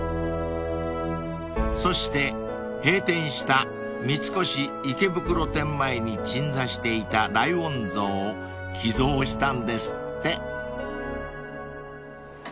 ［そして閉店した三越池袋店前に鎮座していたライオン像を寄贈したんですって］